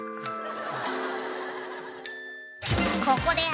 ［ここで］